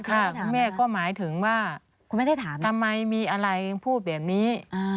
คุณแม่ก็หมายถึงว่าทำไมมีอะไรพูดแบบนี้